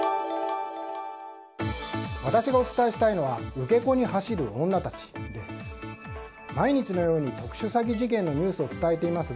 私がお伝えしたいのは受け子に走る女たちです。